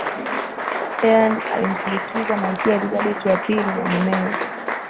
Hearne alimsindikiza Malkia Elizabeth wa pili na mumewe